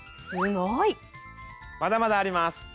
すごい！まだまだあります！